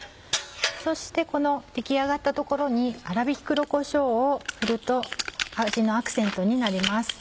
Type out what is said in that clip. そしてこの出来上がったところに粗びき黒こしょうを振ると味のアクセントになります。